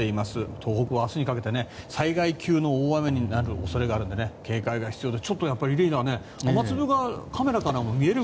東北は明日にかけて災害級の大雨になる恐れがあるので警戒が必要です。